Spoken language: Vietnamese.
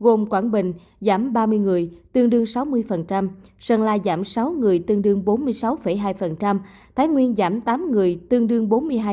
gồm quảng bình giảm ba mươi người tương đương sáu mươi sơn la giảm sáu người tương đương bốn mươi sáu hai thái nguyên giảm tám người tương đương bốn mươi hai